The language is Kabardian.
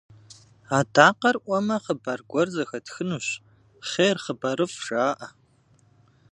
Адакъэр ӏуэмэ, хъыбар гуэр зэхэтхынущ, «хъер, хъыбарыфӏ» жаӏэ.